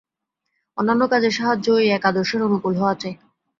অন্যান্য কাজে সাহায্যও এই এক আদর্শের অনুকূল হওয়া চাই।